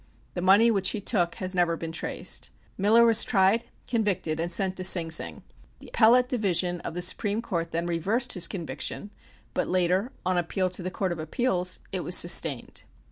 The money which he took has never been traced. Miller was tried, convicted and sent to Sing Sing. The Appellate Division of the Supreme Court then reversed his conviction, but later, on appeal to the Court of Appeals, it was sustained.